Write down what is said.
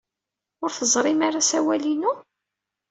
Ur teẓrim ara asawal-inu?